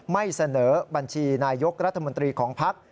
ไม่เสนอบัญชีนายกรัฐมนตรีของภักดิ์